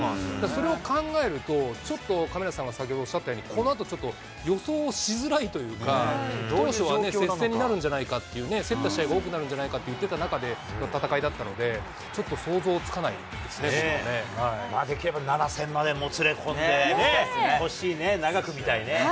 それを考えると、ちょっと亀梨さんが先ほど、おっしゃったように、このあと、ちょっと予想しづらいというか、当初はね、接戦になるんじゃないかって、競った試合が多くなるんじゃないかと言ってた中での戦いだったのまあ、できれば７戦までもつれ込んでほしいね、長く見たいね。